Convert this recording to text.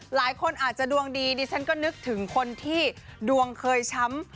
หลายคนอาจจะดวงดีดิฉันก็นึกถึงคนที่ดวงเคยช้ำ